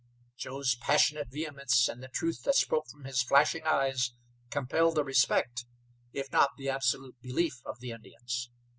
Joe's passionate vehemence, and the truth that spoke from his flashing eyes compelled the respect, if not the absolute belief of the Indians.